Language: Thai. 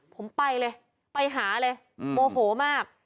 ผมไปเลยไปหาเลยโมโหมาก